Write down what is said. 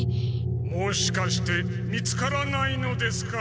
もしかして見つからないのですか？